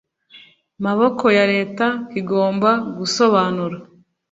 Maboko ya leta kigomba gusobanura